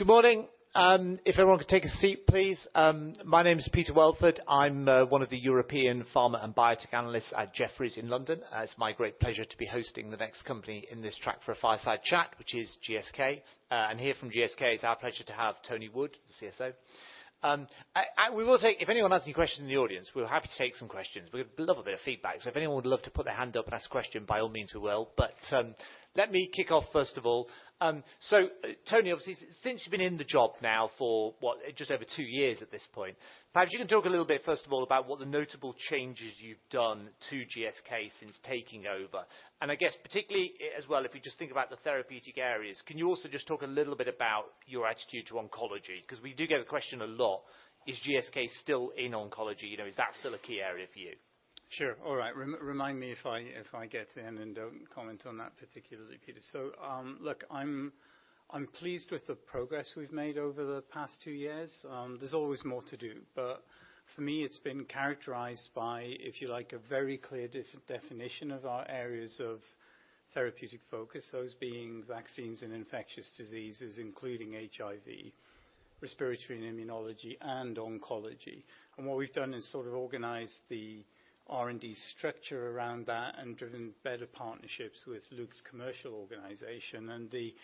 Good morning. If everyone could take a seat, please. My name is Peter Welford. I'm one of the European Pharma and Biotech analysts at Jefferies in London. It's my great pleasure to be hosting the next company in this track for a fireside chat, which is GSK. And here from GSK, it's our pleasure to have Tony Wood, the CSO. If anyone has any questions in the audience, we're happy to take some questions. We'd love a bit of feedback. So if anyone would love to put their hand up and ask a question, by all means we will. But let me kick off, first of all. So Tony, obviously, since you've been in the job now for just over two years at this point, perhaps you can talk a little bit, first of all, about what the notable changes you've done to GSK since taking over. I guess, particularly as well, if you just think about the therapeutic areas, can you also just talk a little bit about your attitude to oncology? Because we do get the question a lot. Is GSK still in oncology? Is that still a key area for you? Sure. All right. Remind me if I get to the end and don't comment on that particularly, Peter. So look, I'm pleased with the progress we've made over the past two years. There's always more to do. But for me, it's been characterized by, if you like, a very clear definition of our areas of therapeutic focus, those being vaccines and infectious diseases, including HIV, respiratory and immunology, and oncology. And what we've done is sort of organized the R&D structure around that and driven better partnerships with Luke's commercial organization. And the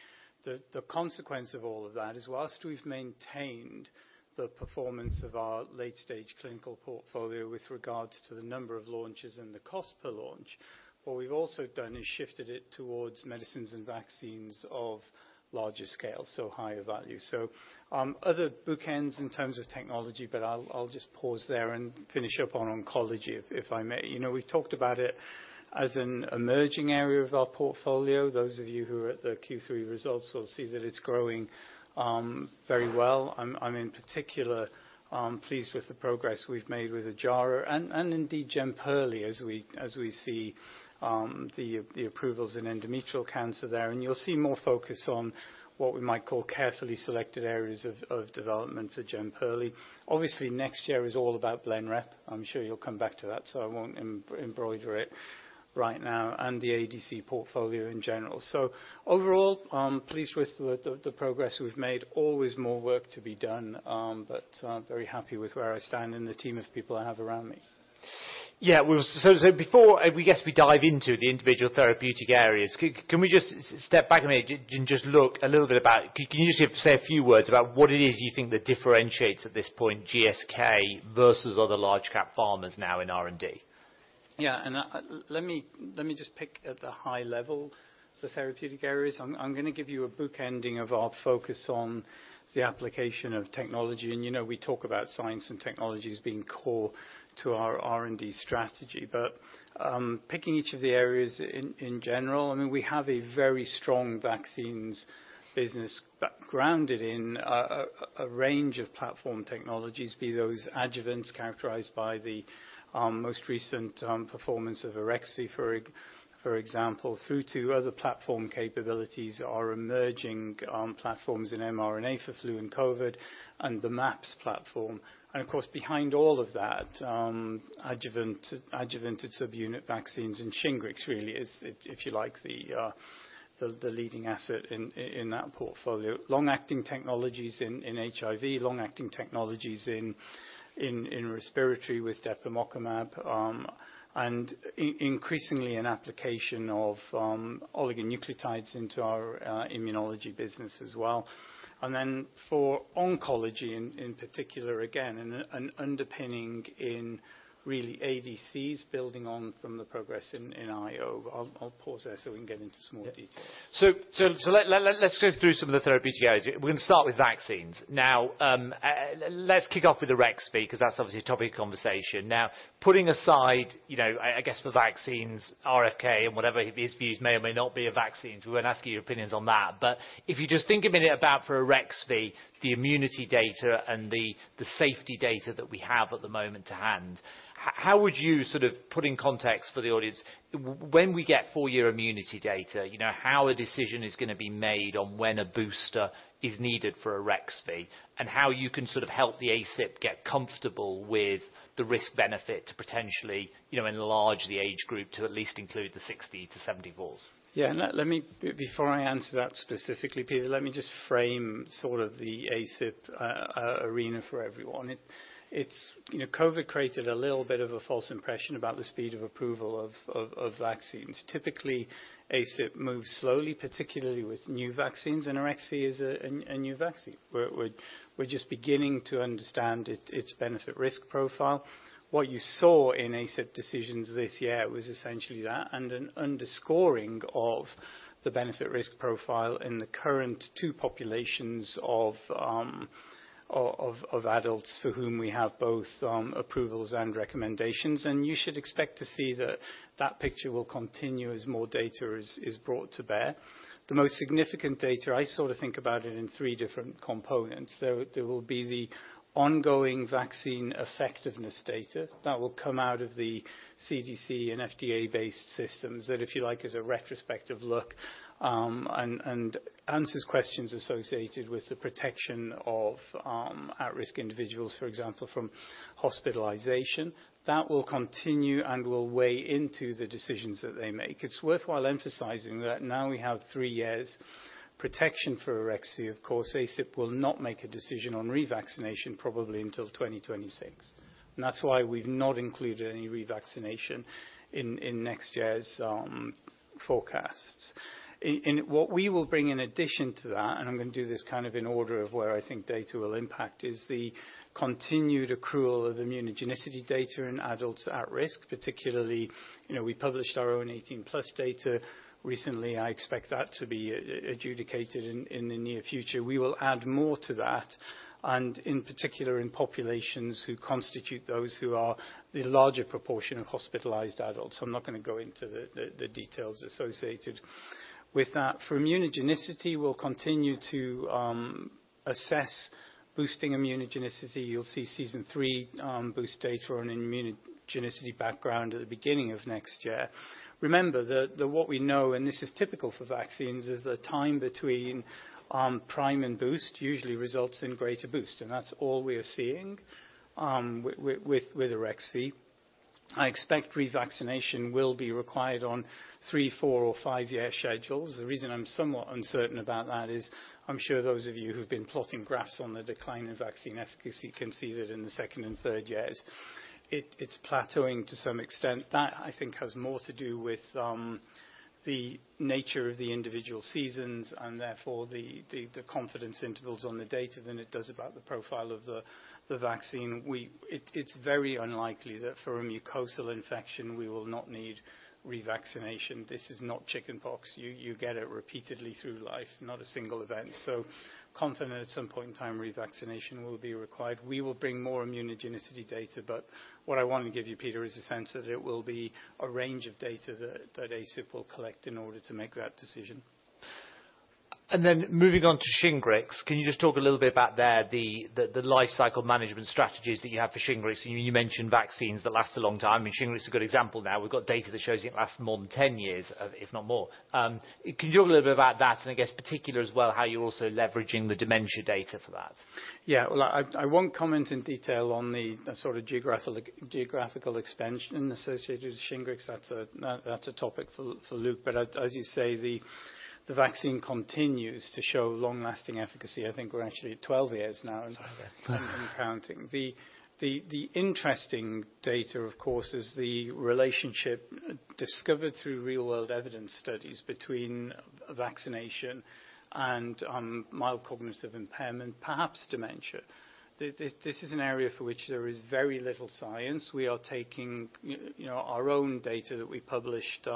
consequence of all of that is, while we've maintained the performance of our late-stage clinical portfolio with regards to the number of launches and the cost per launch, what we've also done is shifted it towards medicines and vaccines of larger scale, so higher value. So other bookends in terms of technology, but I'll just pause there and finish up on oncology, if I may. We've talked about it as an emerging area of our portfolio. Those of you who are at the Q3 results will see that it's growing very well. I'm, in particular, pleased with the progress we've made with Ojjaara and indeed Jemperli as we see the approvals in endometrial cancer there. And you'll see more focus on what we might call carefully selected areas of development for Jemperli. Obviously, next year is all about Blenrep. I'm sure you'll come back to that, so I won't embroider it right now, and the ADC portfolio in general. So overall, I'm pleased with the progress we've made. Always more work to be done, but very happy with where I stand and the team of people I have around me. Yeah. So before we dive into the individual therapeutic areas, can we just step back a minute and just look a little bit about, can you just say a few words about what it is you think that differentiates at this point GSK versus other large-cap pharmas now in R&D? Yeah. And let me just pick at the high level the therapeutic areas. I'm going to give you a bookending of our focus on the application of technology. And we talk about science and technology as being core to our R&D strategy. But picking each of the areas in general, I mean, we have a very strong vaccines business grounded in a range of platform technologies, be those adjuvants characterized by the most recent performance of Arexvy, for example, through to other platform capabilities, our emerging platforms in mRNA for flu and COVID, and the MAPS platform. And of course, behind all of that, adjuvanted subunit vaccines and Shingrix really is, if you like, the leading asset in that portfolio. Long-acting technologies in HIV, long-acting technologies in respiratory with depemokimab, and increasingly an application of oligonucleotides into our immunology business as well. For oncology in particular, again, an underpinning in really ADCs building on from the progress in IO. I'll pause there so we can get into some more detail. So let's go through some of the therapeutic areas. We're going to start with vaccines. Now, let's kick off with Arexvy because that's obviously a topic of conversation. Now, putting aside, I guess, the vaccines, RFK and whatever his views may or may not be of vaccines, we won't ask you your opinions on that. But if you just think a minute about, for Arexvy, the immunity data and the safety data that we have at the moment to hand, how would you sort of put in context for the audience, when we get four-year immunity data, how a decision is going to be made on when a booster is needed for Arexvy and how you can sort of help the ACIP get comfortable with the risk-benefit to potentially enlarge the age group to at least include the 60- to 70-year-olds? Yeah. Before I answer that specifically, Peter, let me just frame sort of the ACIP arena for everyone. COVID created a little bit of a false impression about the speed of approval of vaccines. Typically, ACIP moves slowly, particularly with new vaccines, and Arexvy is a new vaccine. We're just beginning to understand its benefit-risk profile. What you saw in ACIP decisions this year was essentially that and an underscoring of the benefit-risk profile in the current two populations of adults for whom we have both approvals and recommendations. And you should expect to see that picture will continue as more data is brought to bear. The most significant data, I sort of think about it in three different components. There will be the ongoing vaccine effectiveness data that will come out of the CDC and FDA-based systems that, if you like, is a retrospective look and answers questions associated with the protection of at-risk individuals, for example, from hospitalization. That will continue and will weigh into the decisions that they make. It's worthwhile emphasizing that now we have three years' protection for Arexvy. Of course, ACIP will not make a decision on revaccination probably until 2026, and that's why we've not included any revaccination in next year's forecasts. What we will bring in addition to that, and I'm going to do this kind of in order of where I think data will impact, is the continued accrual of immunogenicity data in adults at risk, particularly we published our own 18+ data recently. I expect that to be adjudicated in the near future. We will add more to that, and in particular in populations who constitute those who are the larger proportion of hospitalized adults. I'm not going to go into the details associated with that. For immunogenicity, we'll continue to assess boosting immunogenicity. You'll see season three boost data on immunogenicity background at the beginning of next year. Remember that what we know, and this is typical for vaccines, is the time between prime and boost usually results in greater boost. And that's all we are seeing with Arexvy. I expect revaccination will be required on three, four, or five-year schedules. The reason I'm somewhat uncertain about that is I'm sure those of you who've been plotting graphs on the decline in vaccine efficacy can see that in the second and third years, it's plateauing to some extent. That, I think, has more to do with the nature of the individual seasons and therefore the confidence intervals on the data than it does about the profile of the vaccine. It's very unlikely that for a mucosal infection, we will not need revaccination. This is not chickenpox. You get it repeatedly through life, not a single event. So confident at some point in time revaccination will be required. We will bring more immunogenicity data, but what I want to give you, Peter, is a sense that it will be a range of data that ACIP will collect in order to make that decision. Then moving on to Shingrix, can you just talk a little bit about there, the life cycle management strategies that you have for Shingrix? You mentioned vaccines that last a long time. I mean, Shingrix is a good example now. We've got data that shows it lasts more than 10 years, if not more. Can you talk a little bit about that and, I guess, particularly as well how you're also leveraging the dementia data for that? Yeah. Well, I won't comment in detail on the sort of geographical expansion associated with Shingrix. That's a topic for Luke. But as you say, the vaccine continues to show long-lasting efficacy. I think we're actually at 12 years now and counting. The interesting data, of course, is the relationship discovered through real-world evidence studies between vaccination and mild cognitive impairment, perhaps dementia. This is an area for which there is very little science. We are taking our own data that we published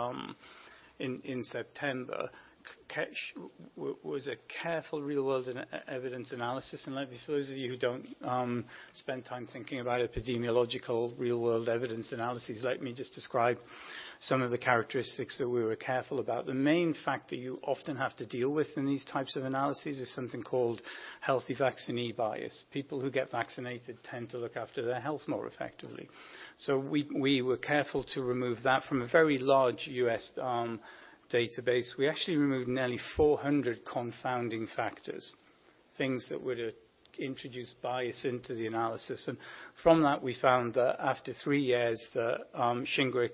in September, which was a careful real-world evidence analysis. And for those of you who don't spend time thinking about epidemiological real-world evidence analyses, let me just describe some of the characteristics that we were careful about. The main factor you often have to deal with in these types of analyses is something called healthy vaccine bias. People who get vaccinated tend to look after their health more effectively. So we were careful to remove that from a very large U.S. database. We actually removed nearly 400 confounding factors, things that would introduce bias into the analysis. And from that, we found that after three years, that Shingrix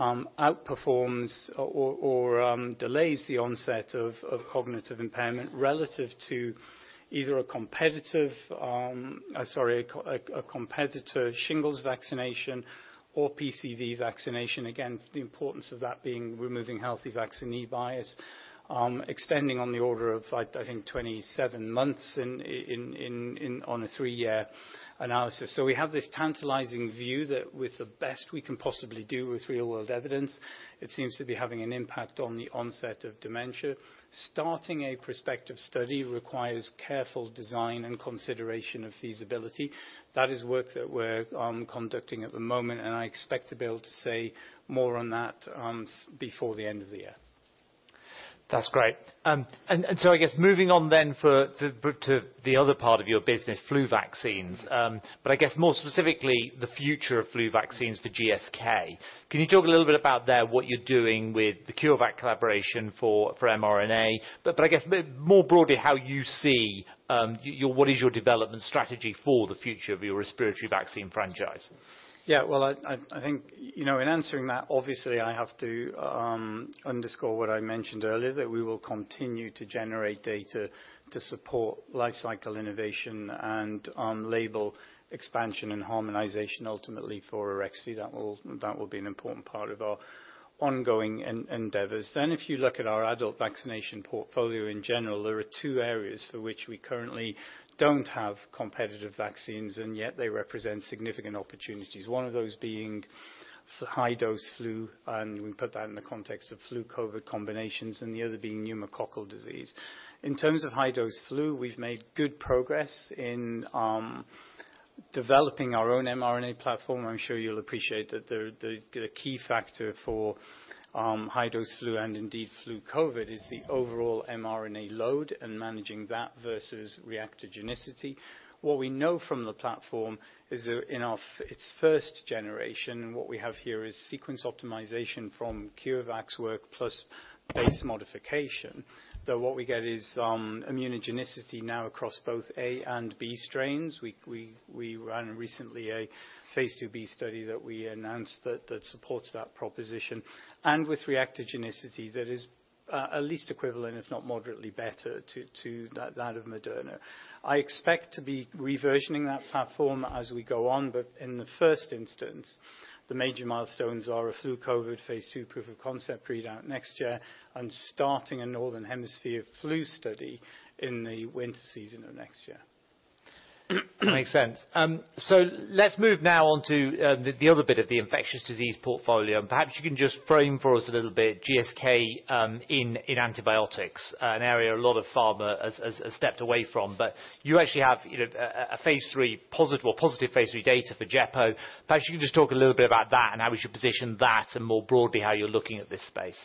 outperforms or delays the onset of cognitive impairment relative to either a competitor, Shingles vaccination or PCV vaccination. Again, the importance of that being removing healthy vaccine bias, extending on the order of, I think, 27 months on a three-year analysis. So we have this tantalizing view that with the best we can possibly do with real-world evidence, it seems to be having an impact on the onset of dementia. Starting a prospective study requires careful design and consideration of feasibility. That is work that we're conducting at the moment, and I expect to be able to say more on that before the end of the year. That's great, and so I guess moving on then to the other part of your business, flu vaccines, but I guess more specifically the future of flu vaccines for GSK. Can you talk a little bit about what you're doing there with the CureVac collaboration for mRNA? But I guess more broadly, how you see, what is your development strategy for the future of your respiratory vaccine franchise? Yeah. Well, I think in answering that, obviously, I have to underscore what I mentioned earlier, that we will continue to generate data to support life cycle innovation and label expansion and harmonization ultimately for Arexvy. That will be an important part of our ongoing endeavors. Then if you look at our adult vaccination portfolio in general, there are two areas for which we currently don't have competitive vaccines, and yet they represent significant opportunities, one of those being high-dose flu, and we put that in the context of flu/COVID combinations, and the other being pneumococcal disease. In terms of high-dose flu, we've made good progress in developing our own mRNA platform. I'm sure you'll appreciate that the key factor for high-dose flu and indeed flu/COVID is the overall mRNA load and managing that versus reactogenicity. What we know from the platform is in its first generation. What we have here is sequence optimization from CureVac's work plus base modification. Though what we get is immunogenicity now across both A and B strains. We ran recently a phase II-B study that we announced that supports that proposition, and with reactogenicity, that is at least equivalent, if not moderately better, to that of Moderna. I expect to be reversioning that platform as we go on, but in the first instance, the major milestones are a flu/COVID phase II proof of concept readout next year and starting a northern hemisphere flu study in the winter season of next year. Makes sense. So let's move now on to the other bit of the infectious disease portfolio. And perhaps you can just frame for us a little bit GSK in antibiotics, an area a lot of pharma has stepped away from. But you actually have a phase III positive phase III data for gepotidacin. Perhaps you can just talk a little bit about that and how we should position that and more broadly how you're looking at this space.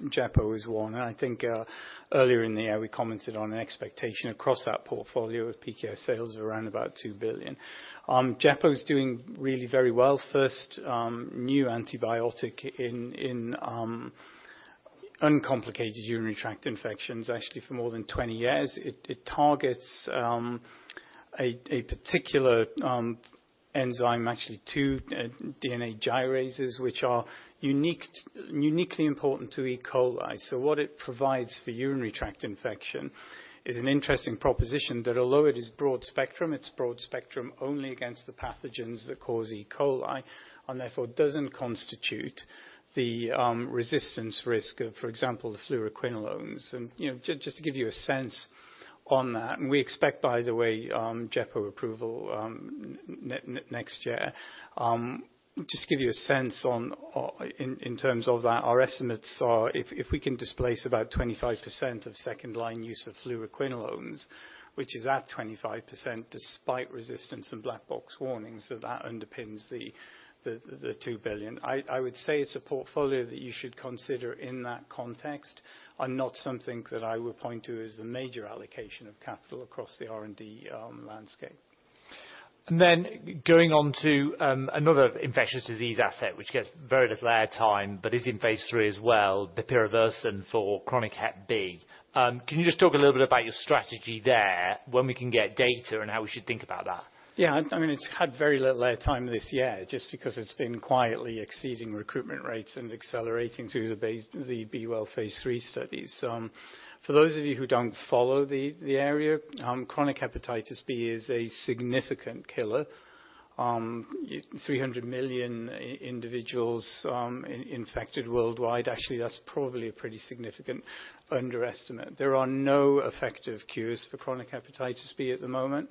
Yeah. I mean, we've talked about the antibiotic portfolio really as a constellation of three assets, of which JEPO is one. And I think earlier in the year, we commented on an expectation across that portfolio of peak sales of around about 2 billion. JEPO is doing really very well. First new antibiotic in uncomplicated urinary tract infections, actually for more than 20 years. It targets a particular enzyme, actually two DNA gyrases, which are uniquely important to E. coli. So what it provides for urinary tract infection is an interesting proposition that although it is broad spectrum, it's broad spectrum only against the pathogens that cause E. coli and therefore doesn't constitute the resistance risk of, for example, the fluoroquinolones. And just to give you a sense on that, and we expect, by the way, JEPO approval next year, just to give you a sense in terms of that, our estimates are if we can displace about 25% of second-line use of fluoroquinolones, which is at 25% despite resistance and black box warnings that underpins the £2 billion. I would say it's a portfolio that you should consider in that context and not something that I would point to as the major allocation of capital across the R&D landscape. Then going on to another infectious disease asset, which gets very little airtime, but is in phase III as well, the Bepirovirsen for chronic Hep B. Can you just talk a little bit about your strategy there, when we can get data, and how we should think about that? Yeah. I mean, it's had very little airtime this year just because it's been quietly exceeding recruitment rates and accelerating through the B-Well phase III studies. For those of you who don't follow the area, chronic hepatitis B is a significant killer. 300 million individuals infected worldwide. Actually, that's probably a pretty significant underestimate. There are no effective cures for chronic hepatitis B at the moment.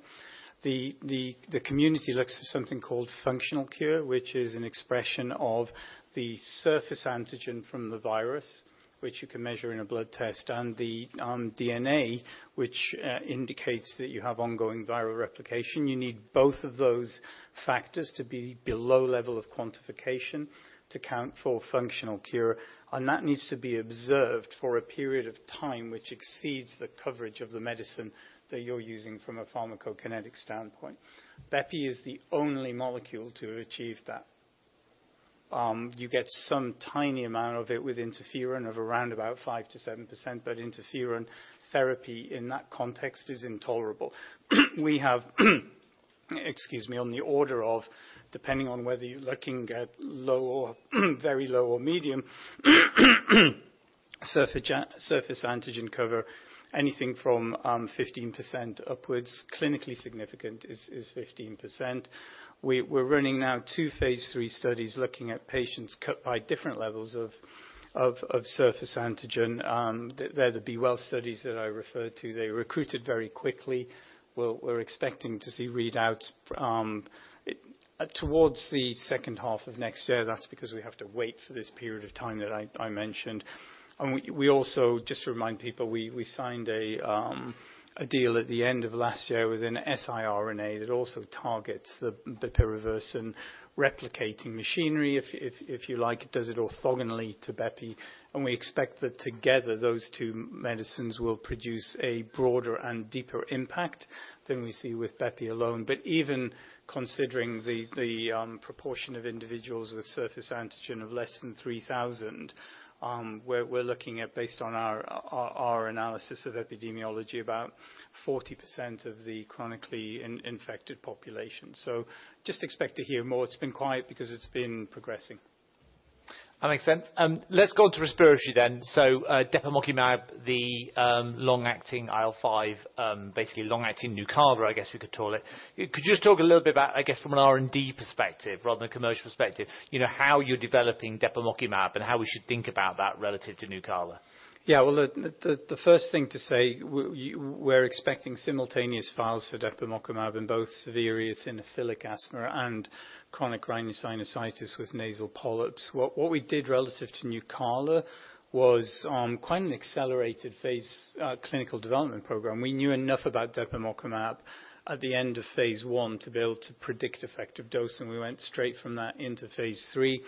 The community looks at something called functional cure, which is an expression of the surface antigen from the virus, which you can measure in a blood test, and the DNA, which indicates that you have ongoing viral replication. You need both of those factors to be below level of quantification to count for functional cure. And that needs to be observed for a period of time which exceeds the coverage of the medicine that you're using from a pharmacokinetic standpoint. Bepirovirsen is the only molecule to achieve that. You get some tiny amount of it with interferon of around about 5%-7%, but interferon therapy in that context is intolerable. We have, excuse me, on the order of, depending on whether you're looking at low or very low or medium surface antigen cover, anything from 15% upwards. Clinically significant is 15%. We're running now two phase III studies looking at patients cut by different levels of surface antigen. They're the B-Well studies that I referred to. They recruited very quickly. We're expecting to see readouts towards the second half of next year. That's because we have to wait for this period of time that I mentioned. And we also, just to remind people, we signed a deal at the end of last year with an siRNA that also targets the pyroversin replicating machinery, if you like, does it orthogonally to Bepirovirsen. And we expect that together those two medicines will produce a broader and deeper impact than we see with Bepirovirsen alone. But even considering the proportion of individuals with surface antigen of less than 3,000, we're looking at, based on our analysis of epidemiology, about 40% of the chronically infected population. So just expect to hear more. It's been quiet because it's been progressing. That makes sense. Let's go on to respiratory then. So Depemokimab, the long-acting IL-5, basically long-acting Nucala, I guess we could call it. Could you just talk a little bit about, I guess, from an R&D perspective rather than a commercial perspective, how you're developing Depemokimab and how we should think about that relative to Nucala? Yeah. Well, the first thing to say, we're expecting simultaneous filings for Depemokimab in both severe eosinophilic asthma and chronic rhinosinusitis with nasal polyps. What we did relative to NUCALA was quite an accelerated phase clinical development program. We knew enough about Depemokimab at the end of phase I to be able to predict effective dose, and we went straight from that into phase III.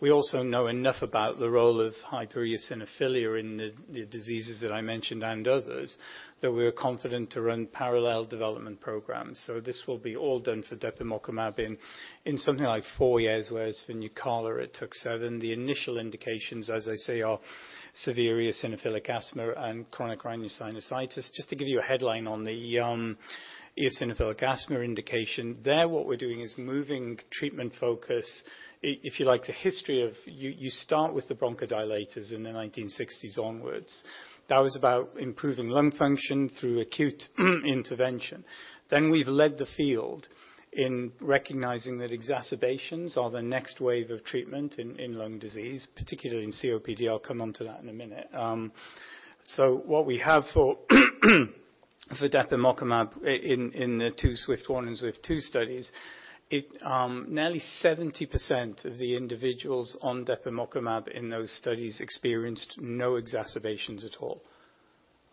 We also know enough about the role of hypereosinophilia in the diseases that I mentioned and others that we were confident to run parallel development programs. So this will be all done for Depemokimab in something like four years, whereas for NUCALA it took seven. The initial indications, as I say, are severe eosinophilic asthma and chronic rhinosinusitis. Just to give you a headline on the eosinophilic asthma indication, there what we're doing is moving treatment focus. If you like the history of, you start with the bronchodilators in the 1960s onwards. That was about improving lung function through acute intervention, then we've led the field in recognizing that exacerbations are the next wave of treatment in lung disease, particularly in COPD. I'll come on to that in a minute, so what we have for depemokimab in the two SWIFT-1 and SWIFT-2 studies, nearly 70% of the individuals on depemokimab in those studies experienced no exacerbations at all,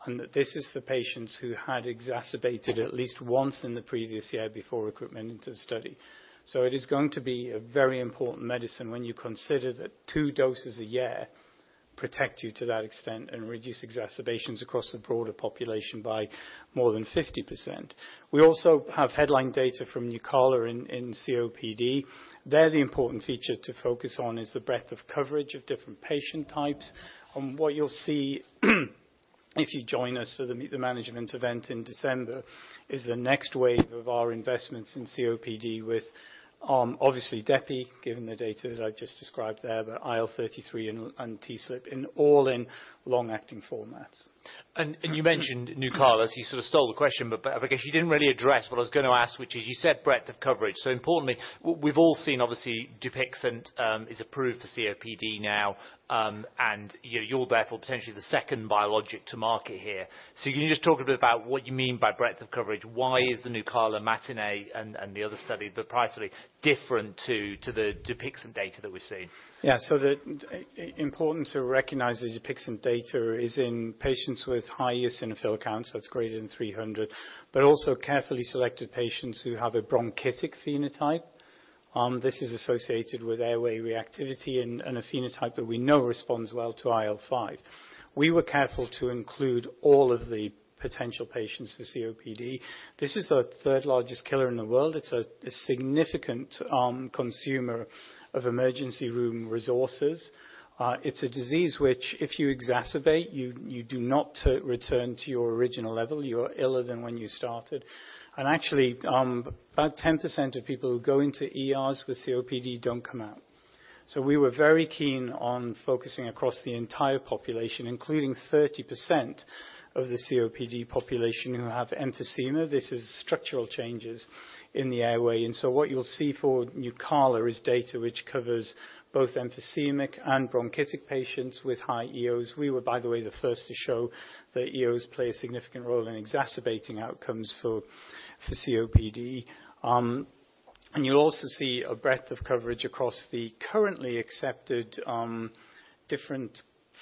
and this is for patients who had exacerbated at least once in the previous year before recruitment into the study, so it is going to be a very important medicine when you consider that two doses a year protect you to that extent and reduce exacerbations across the broader population by more than 50%. We also have headline data from NUCALA in COPD. There, the important feature to focus on is the breadth of coverage of different patient types, and what you'll see if you join us for the management event in December is the next wave of our investments in COPD with obviously depemokimab given the data that I've just described there, but IL-33 and TSLP, and all in long-acting formats. You mentioned NUCALA. You sort of stole the question, but I guess you didn't really address what I was going to ask, which is you said breadth of coverage. So importantly, we've all seen obviously Dupixent is approved for COPD now, and you're therefore potentially the second biologic to market here. So can you just talk a bit about what you mean by breadth of coverage? Why is the NUCALA, MATINEE, and the other study, the AERIFY, different to the Dupixent data that we've seen? Yeah. So the importance of recognizing Dupixent data is in patients with high eosinophil counts, that's greater than 300, but also carefully selected patients who have a bronchitic phenotype. This is associated with airway reactivity and a phenotype that we know responds well to IL-5. We were careful to include all of the potential patients for COPD. This is the third largest killer in the world. It's a significant consumer of emergency room resources. It's a disease which, if you exacerbate, you do not return to your original level. You're iller than when you started. And actually, about 10% of people who go into ERs with COPD don't come out. So we were very keen on focusing across the entire population, including 30% of the COPD population who have emphysema. This is structural changes in the airway. What you'll see for Nucala is data which covers both emphysemic and bronchitic patients with high EOs. We were, by the way, the first to show that EOs play a significant role in exacerbating outcomes for COPD. You'll also see a breadth of coverage across the currently accepted different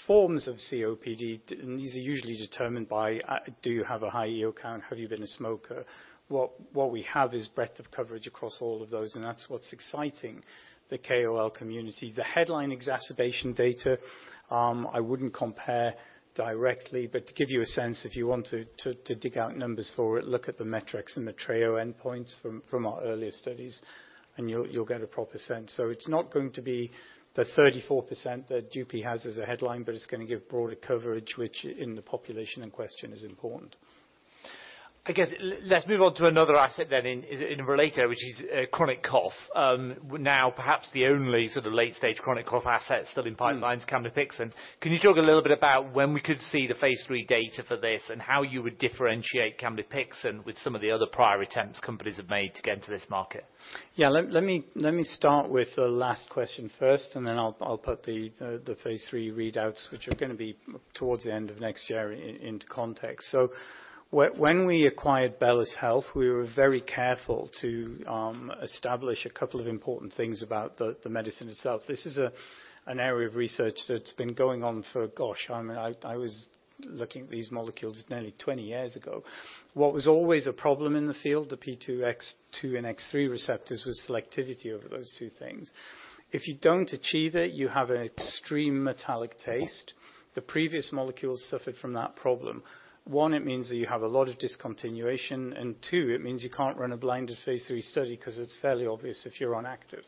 forms of COPD. These are usually determined by, do you have a high EO count? Have you been a smoker? What we have is breadth of coverage across all of those. That's what's exciting the KOL community. The headline exacerbation data, I wouldn't compare directly, but to give you a sense, if you want to dig out numbers for it, look at the metrics and the trial endpoints from our earlier studies, and you'll get a proper sense. So it's not going to be the 34% that Dupixent has as a headline, but it's going to give broader coverage, which in the population in question is important. I guess let's move on to another asset then in related, which is chronic cough. Now, perhaps the only sort of late-stage chronic cough asset still in pipeline is Camlipixant. Can you talk a little bit about when we could see the phase III data for this and how you would differentiate Camlipixant with some of the other prior attempts companies have made to get into this market? Yeah. Let me start with the last question first, and then I'll put the phase III readouts, which are going to be towards the end of next year, into context. So when we acquired Bellus Health, we were very careful to establish a couple of important things about the medicine itself. This is an area of research that's been going on for, gosh, I was looking at these molecules nearly 20 years ago. What was always a problem in the field, the P2X2 and P2X3 receptors, was selectivity over those two things. If you don't achieve it, you have an extreme metallic taste. The previous molecules suffered from that problem. One, it means that you have a lot of discontinuation. And two, it means you can't run a blinded phase III study because it's fairly obvious if you're on active.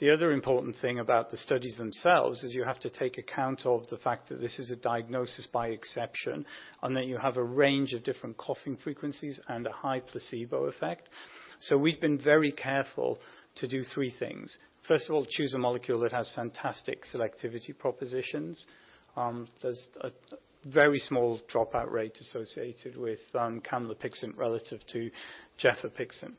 The other important thing about the studies themselves is you have to take account of the fact that this is a diagnosis by exception and that you have a range of different coughing frequencies and a high placebo effect. So we've been very careful to do three things. First of all, choose a molecule that has fantastic selectivity propositions. There's a very small dropout rate associated with Camlipixant relative to Gefapixant.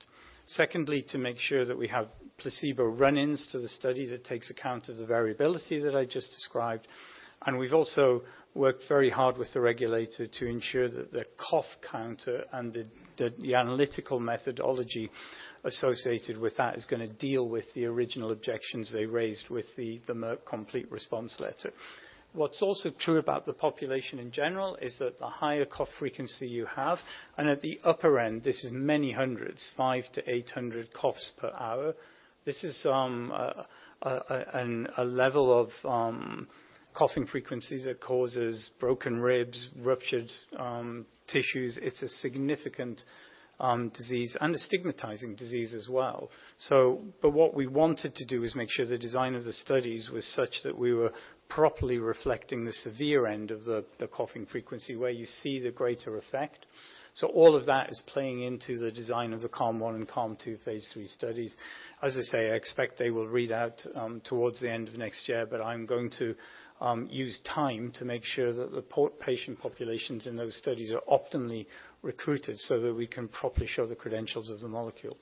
Secondly, to make sure that we have placebo run-ins to the study that takes account of the variability that I just described. And we've also worked very hard with the regulator to ensure that the cough counter and the analytical methodology associated with that is going to deal with the original objections they raised with the Merck complete response letter. What's also true about the population in general is that the higher cough frequency you have, and at the upper end, this is many hundreds, 500-800 coughs per hour, this is a level of coughing frequency that causes broken ribs, ruptured tissues. It's a significant disease and a stigmatizing disease as well. But what we wanted to do is make sure the design of the studies was such that we were properly reflecting the severe end of the coughing frequency where you see the greater effect. So all of that is playing into the design of the CALM-1 and CALM-2 phase III studies. As I say, I expect they will read out towards the end of next year, but I'm going to use time to make sure that the patient populations in those studies are optimally recruited so that we can properly show the credentials of the molecule.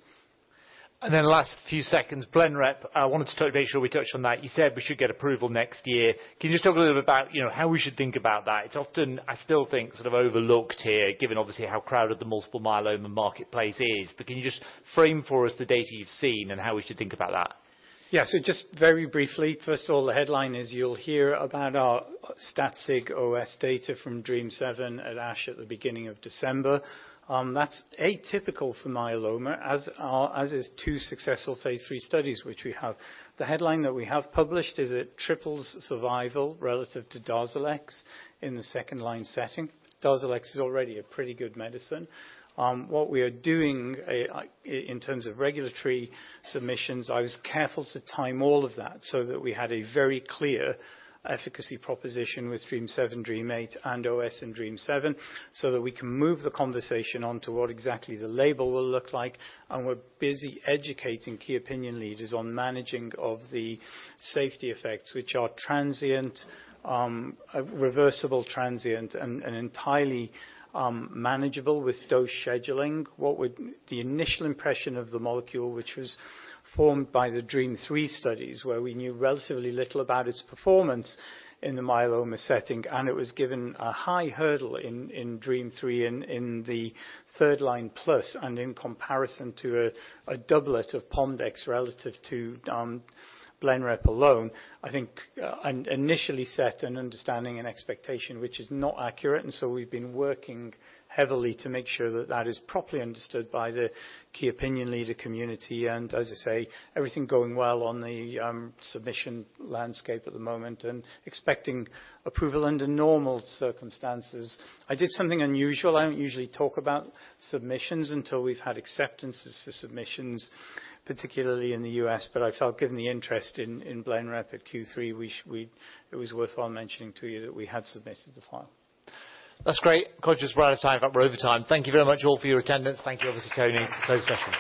And then, last few seconds, Blenrep. I wanted to totally make sure we touched on that. You said we should get approval next year. Can you just talk a little bit about how we should think about that? It's often, I still think, sort of overlooked here, given obviously how crowded the Multiple Myeloma marketplace is. But can you just frame for us the data you've seen and how we should think about that? Yeah. So just very briefly, first of all, the headline is you'll hear about our StatSig OS data from DREAMM-7 at ASH at the beginning of December. That's atypical for myeloma, as are two successful phase III studies, which we have. The headline that we have published is it triples survival relative to Darzalex in the second-line setting. Darzalex is already a pretty good medicine. What we are doing in terms of regulatory submissions, I was careful to time all of that so that we had a very clear efficacy proposition with DREAMM-7, DREAMM-8, and OS and DREAMM-7 so that we can move the conversation on to what exactly the label will look like. And we're busy educating key opinion leaders on managing of the safety effects, which are transient, reversible transient, and entirely manageable with dose scheduling. The initial impression of the molecule, which was formed by the DREAMM-3 studies, where we knew relatively little about its performance in the myeloma setting, and it was given a high hurdle in DREAMM-3 in the third line plus and in comparison to a doublet of Pomdex relative to Blenrep alone, I think initially set an understanding and expectation, which is not accurate, and so we've been working heavily to make sure that that is properly understood by the key opinion leader community, and as I say, everything going well on the submission landscape at the moment and expecting approval under normal circumstances. I did something unusual. I don't usually talk about submissions until we've had acceptances for submissions, particularly in the U.S., but I felt, given the interest in Blenrep at Q3, it was worthwhile mentioning to you that we had submitted the file. That's great. I'm conscious we're out of time. We're over time. Thank you very much all for your attendance. Thank you, obviously, Tony, for today's discussion.